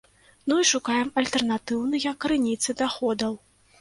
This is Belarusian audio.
Ну і шукаем альтэрнатыўныя крыніцы даходаў.